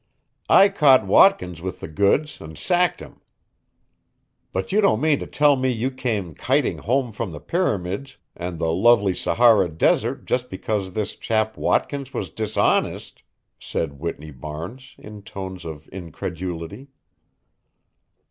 I caught Watkins with the goods and sacked him." "But you don't mean to tell me that you came kiting home from the pyramids and the lovely Sahara desert just because this chap Watkins was dishonest?" said Whitney Barnes, in tones of incredulity.